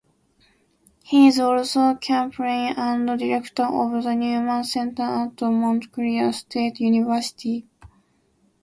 He is also chaplain and director of the Newman Center at Montclair State University.